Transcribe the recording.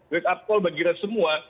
reak up call bagi kita semua